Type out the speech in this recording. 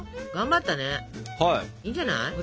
がんばったねいいんじゃない？